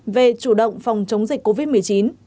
về chủ động phòng chống dịch covid một mươi chín